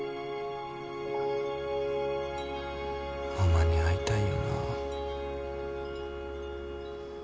ママに会いたいよな。